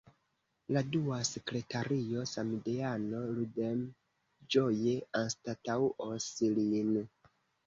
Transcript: La dua sekretario, samideano Ludem ĝoje anstataŭos lin.